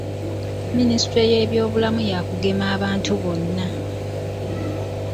Minisitule Y'eby'obulamu ya kugema abantu bonna.